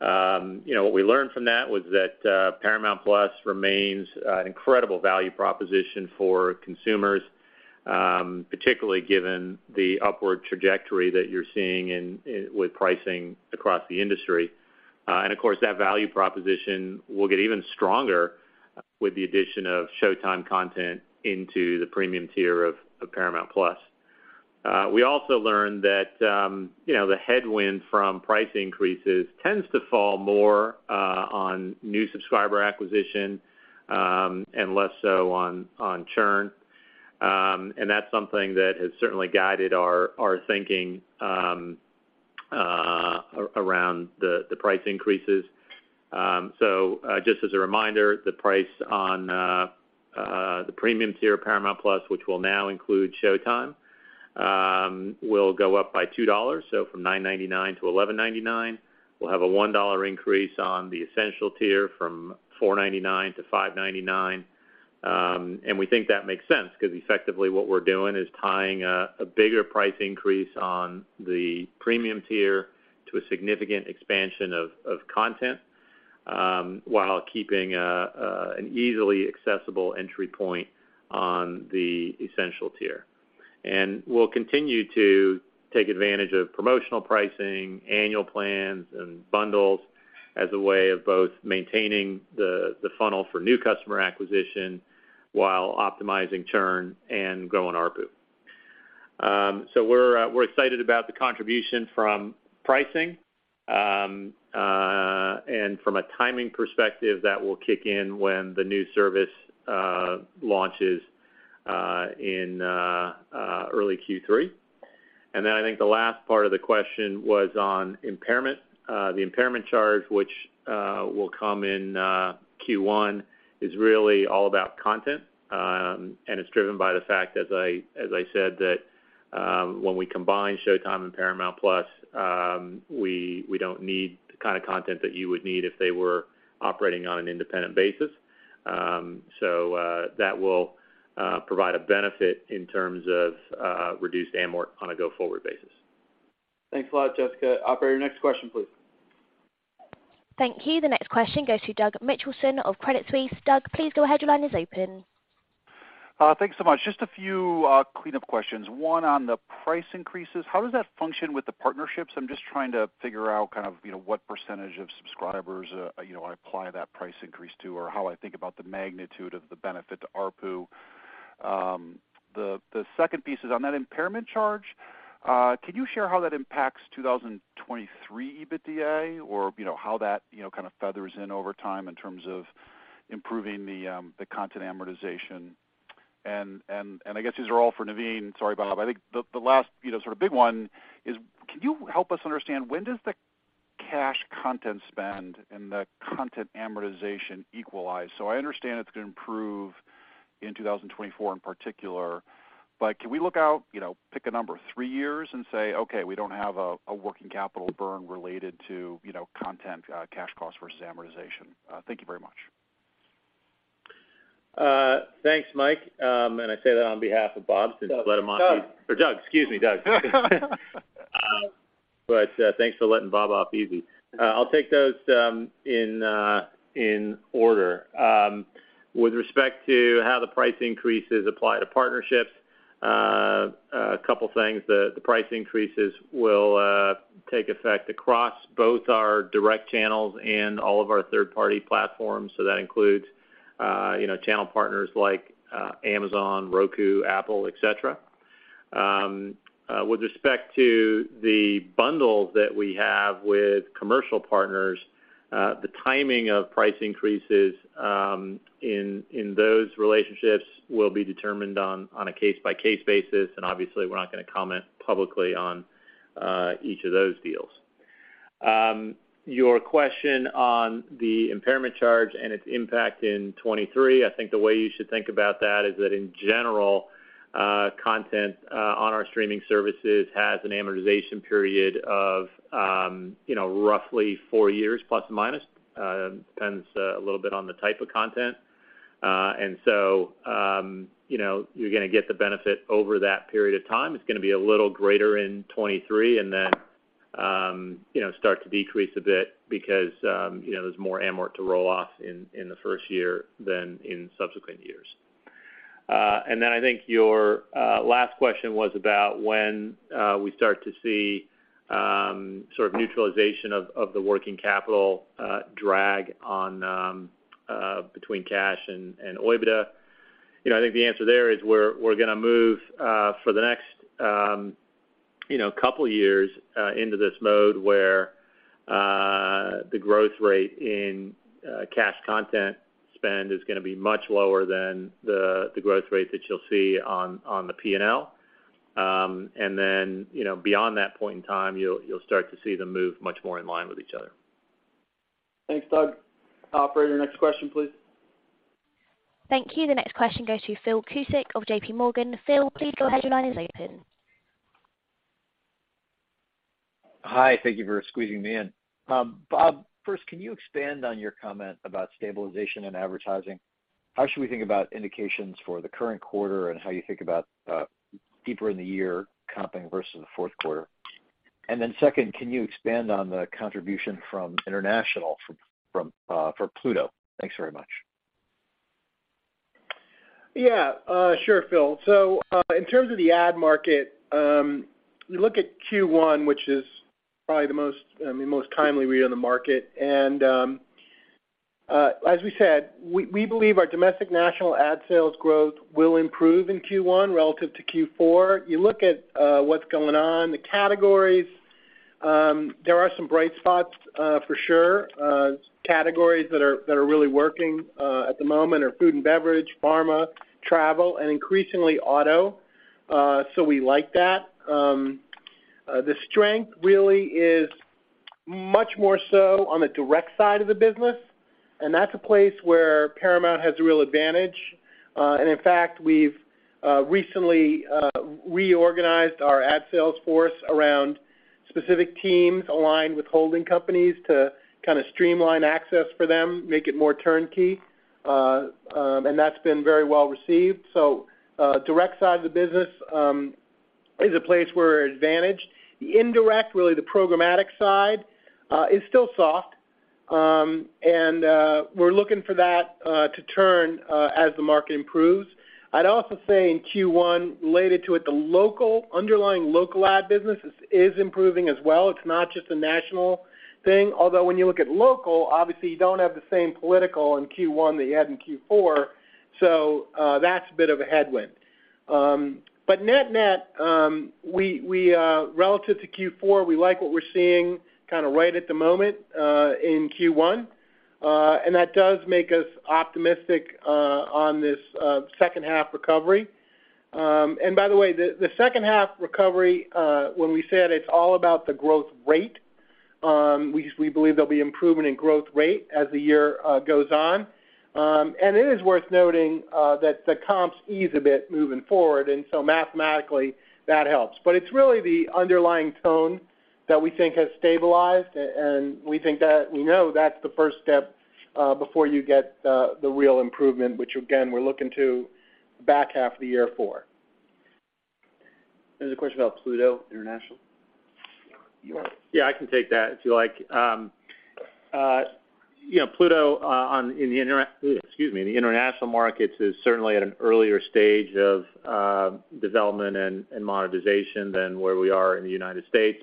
You know, what we learned from that was that Paramount+ remains an incredible value proposition for consumers, particularly given the upward trajectory that you're seeing with pricing across the industry. Of course, that value proposition will get even stronger with the addition of Showtime content into the premium tier of Paramount+. We also learned that, you know, the headwind from price increases tends to fall more on new subscriber acquisition and less so on churn. And that's something that has certainly guided our thinking around the price increases. Just as a reminder, the price on the Premium tier of Paramount+, which will now include Showtime, will go up by $2, so from $9.99 to $11.99. We'll have a $1 increase on the Essential tier from $4.99 to $5.99. And we think that makes sense because effectively what we're doing is tying a bigger price increase on the Premium tier to a significant expansion of content while keeping an easily accessible entry point on the Essential tier. We'll continue to take advantage of promotional pricing, annual plans, and bundles as a way of both maintaining the funnel for new customer acquisition while optimizing churn and growing ARPU. We're excited about the contribution from pricing. From a timing perspective, that will kick in when the new service launches in early Q3. I think the last part of the question was on impairment. The impairment charge, which will come in Q1, is really all about content, and it's driven by the fact, as I said, that when we combine Showtime and Paramount+, we don't need the kind of content that you would need if they were operating on an independent basis. That will provide a benefit in terms of reduced amort on a go-forward basis. Thanks a lot, Jessica. Operator, next question, please. Thank you. The next question goes to Douglas Mitchelson of Credit Suisse. Doug, please go ahead. Your line is open. Thanks so much. Just a few clean-up questions. One on the price increases. How does that function with the partnerships? I'm just trying to figure out, you know, what percent of subscribers, you know, I apply that price increase to or how I think about the magnitude of the benefit to ARPU? The second piece is on that impairment charge. Can you share how that impacts 2023 EBITDA? You know, how that, you know, feathers in over time in terms of improving the content amortization? I guess these are all for Naveen. Sorry, Bob. I think the last, you know, big one is, can you help us understand when does the cash content spend and the content amortization equalize? I understand it's gonna improve in 2024 in particular, but can we look out, you know, pick a number three years and say, okay, we don't have a working capital burn related to, you know, content, cash costs versus amortization? Thank you very much. Thanks, Mike. I say that on behalf of Bob since he let him off easy. Doug. Doug. Excuse me, Doug. Thanks for letting Bob off easy. I'll take those in order. With respect to how the price increases apply to partnerships, a couple things. The price increases will, take effect across both our direct channels and all of our third-party platforms. That includes, you know, channel partners like Amazon, Roku, Apple, et cetera. With respect to the bundles that we have with commercial partners, the timing of price increases in those relationships will be determined on a case-by-case basis. Obviously, we're not gonna comment publicly on, each of those deals. Your question on the impairment charge and its impact in 2023. I think the way you should think about that is that in general, content on our streaming services has an amortization period of, you know, roughly four years ±. Depends a little bit on the type of content. You know, you're gonna get the benefit over that period of time. It's gonna be a little greater in 23 and then, you know, start to decrease a bit because, you know, there's more amort to roll off in the first year than in subsequent years. I think your last question was about when we start to see sort of neutralization of the working capital drag on between cash and OIBDA. You know, I think the answer there is we're gonna move for the next, you know, couple years into this mode where the growth rate in cash content spend is gonna be much lower than the growth rate that you'll see on the P&L. Then, you know, beyond that point in time, you'll start to see them move much more in line with each other. Thanks, Doug. Operator, next question, please. Thank you. The next question goes to Philip Cusick of JPMorgan. Phil, please go ahead. Your line is open. Hi. Thank you for squeezing me in. Bob, first, can you expand on your comment about stabilization in advertising? How should we think about indications for the current quarter and how you think about deeper in the year comping versus the fourth quarter? Second, can you expand on the contribution from international from Pluto? Thanks very much. Yeah. Sure, Phil. In terms of the ad market, you look at Q1, which is probably the most timely read on the market. As we said, we believe our domestic national ad sales growth will improve in Q1 relative to Q4. You look at what's going on in the categories, there are some bright spots for sure. Categories that are really working at the moment are food and beverage, pharma, travel, and increasingly auto. We like that. The strength really is much more so on the direct side of the business, and that's a place where Paramount has a real advantage. In fact, we've recently reorganized our ad sales force around specific teams aligned with holding companies to kind of streamline access for them, make it more turnkey. That's been very well received. Direct side of the business is a place where we're advantaged. The indirect, really the programmatic side, is still soft. We're looking for that to turn as the market improves. I'd also say in Q1 related to it, the underlying local ad business is improving as well. It's not just a national thing. Although when you look at local, obviously you don't have the same political in Q1 that you had in Q4, that's a bit of a headwind. But net-net, we, relative to Q4, we like what we're seeing kind of right at the moment in Q1. And that does make us optimistic on this second half recovery. And by the way, the second half recovery, when we said it's all about the growth rate, we believe there'll be improvement in growth rate as the year goes on. And it is worth noting that the comps ease a bit moving forward, and so mathematically that helps. But it's really the underlying tone that we think has stabilized, and we think that. We know that's the first step before you get the real improvement, which again, we're looking to back half of the year for. There's a question about Pluto International. I can take that if you like. You know, Pluto in the international markets is certainly at an earlier stage of development and monetization than where we are in the United States.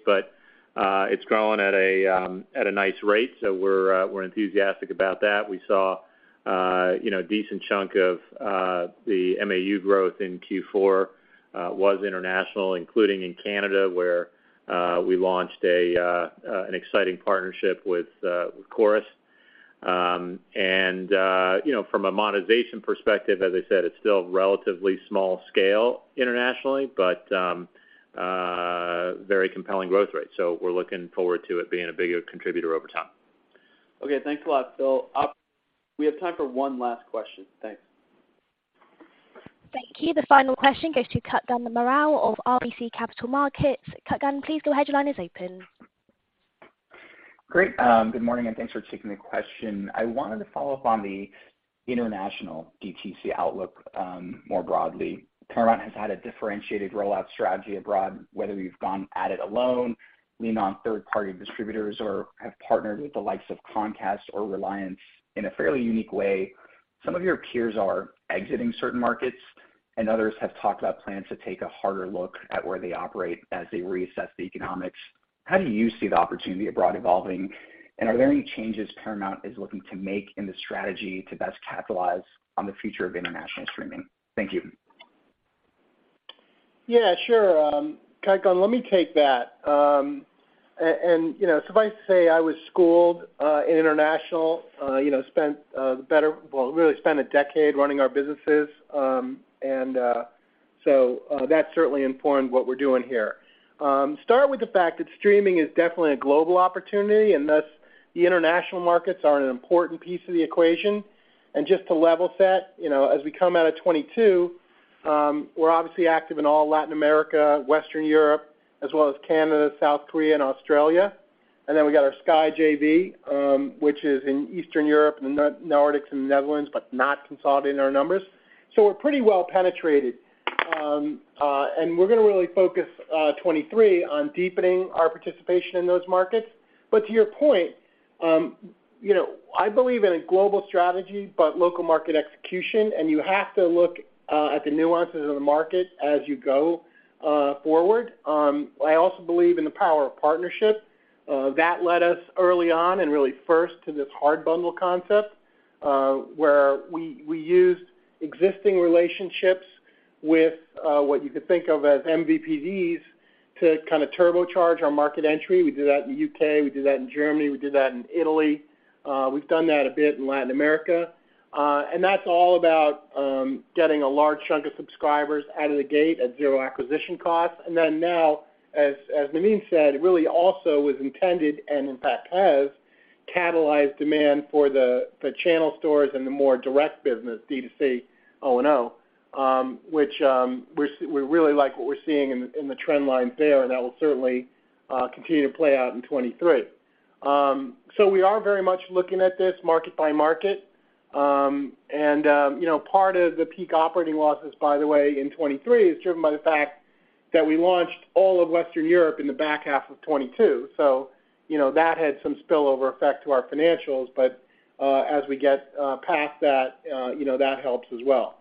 It's growing at a nice rate, so we're enthusiastic about that. We saw, you know, a decent chunk of the MAU growth in Q4 was international, including in Canada, where we launched an exciting partnership with Corus. You know, from a monetization perspective, as I said, it's still relatively small scale internationally, but very compelling growth rate. We're looking forward to it being a bigger contributor over time. Okay. Thanks a lot, Phil. We have time for one last question. Thanks. Thank you. The final question goes to Kutgun Maral of RBC Capital Markets. Kutgun, please your line is open. Great. Good morning, and thanks for taking the question. I wanted to follow up on the international DTC outlook, more broadly. Paramount has had a differentiated rollout strategy abroad, whether you've gone at it alone, lean on third-party distributors, or have partnered with the likes of Comcast or Reliance in a fairly unique way. Some of your peers are exiting certain markets, and others have talked about plans to take a harder look at where they operate as they reassess the economics. How do you see the opportunity abroad evolving, and are there any changes Paramount is looking to make in the strategy to best capitalize on the future of international streaming? Thank you. Yeah, sure. Kutgun, let me take that. You know, suffice to say I was schooled in international. You know, really spent a decade running our businesses, that's certainly important what we're doing here. Start with the fact that streaming is definitely a global opportunity, and thus the international markets are an important piece of the equation. Just to level set, you know, as we come out of 22, we're obviously active in all Latin America, Western Europe, as well as Canada, South Korea and Australia. We've got our Sky JV, which is in Eastern Europe and the Nordics and the Netherlands, but not consolidated in our numbers. We're pretty well penetrated. We're gonna really focus 23 on deepening our participation in those markets. To your point, you know, I believe in a global strategy, but local market execution, and you have to look at the nuances of the market as you go forward. I also believe in the power of partnership. That led us early on and really first to this hard bundle concept, where we used existing relationships with what you could think of as MVPDs to kinda turbocharge our market entry. We did that in the U.K., we did that in Germany, we did that in Italy. We've done that a bit in Latin America. That's all about getting a large chunk of subscribers out of the gate at 0 acquisition costs. Now, as Naveen said, it really also was intended, and in fact has, catalyzed demand for the channel stores and the more direct business, D2C O&O, which we really like what we're seeing in the trend lines there, and that will certainly continue to play out in 2023. We are very much looking at this market by market. You know, part of the peak operating losses, by the way, in 2023 is driven by the fact that we launched all of Western Europe in the back half of 2022. You know, that had some spillover effect to our financials. As we get past that, you know, that helps as well.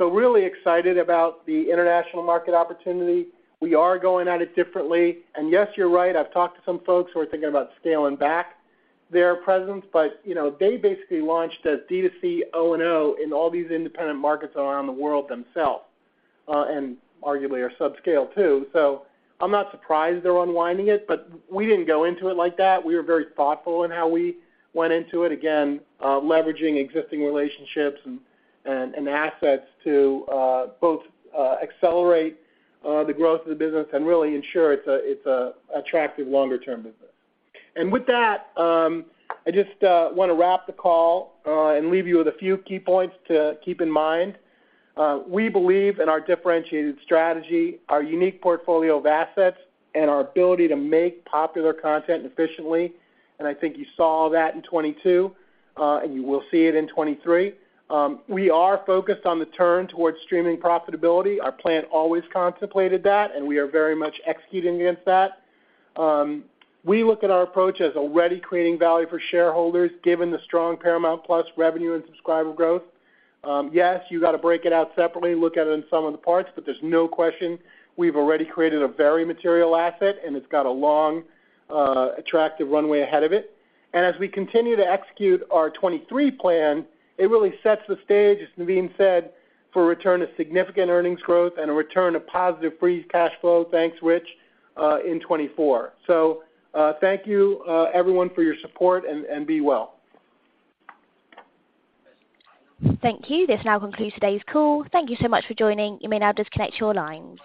Really excited about the international market opportunity. We are going at it differently. Yes, you're right, I've talked to some folks who are thinking about scaling back their presence, but, you know, they basically launched as D2C O&O in all these independent markets around the world themselves, and arguably are subscale too. I'm not surprised they're unwinding it, but we didn't go into it like that. We were very thoughtful in how we went into it, again, leveraging existing relationships and assets to, both, accelerate, the growth of the business and really ensure it's a attractive longer term business. With that, I just wanna wrap the call and leave you with a few key points to keep in mind. We believe in our differentiated strategy, our unique portfolio of assets, and our ability to make popular content efficiently, and I think you saw that in 2022, and you will see it in 2023. We are focused on the turn towards streaming profitability. Our plan always contemplated that, and we are very much executing against that. We look at our approach as already creating value for shareholders, given the strong Paramount+ revenue and subscriber growth. Yes, you gotta break it out separately and look at it in sum of the parts, but there's no question we've already created a very material asset, and it's got a long, attractive runway ahead of it. As we continue to execute our 2023 plan, it really sets the stage, as Naveen said, for a return to significant earnings growth and a return to positive free cash flow, thanks Rich, in 2024. Thank you, everyone for your support and be well. Thank you. This now concludes today's call. Thank you so much for joining. You may now disconnect your lines.